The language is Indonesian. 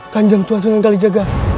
kanjang tuhan tuhan yang kali jaga